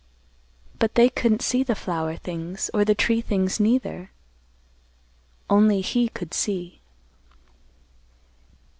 But they couldn't see the flower things, or the tree things neither. Only he could see."